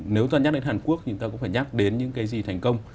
nếu ta nhắc đến hàn quốc thì người ta cũng phải nhắc đến những cái gì thành công